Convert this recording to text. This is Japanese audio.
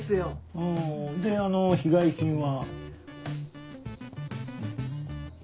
あぁであの被害品は？